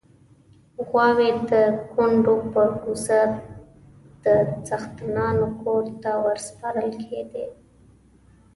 غواوې د کونډو پر کوڅه د څښتنانو کور ته ورسپارل کېدې.